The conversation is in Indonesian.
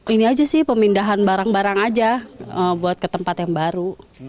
ini aja sih pemindahan barang barang aja buat ke tempat yang baru